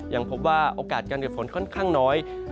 ยังพบว่าโอกาสการเกิดฝนค่อนข้างน้อย